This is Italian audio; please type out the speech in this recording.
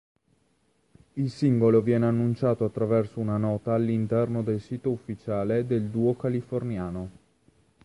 Il singolo viene annunciato attraverso una nota all'interno del sito ufficiale del duo californiano.